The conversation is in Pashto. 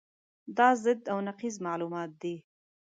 دا ضد او نقیض معلومات دي.